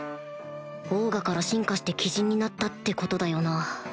オーガから進化して鬼人になったってことだよな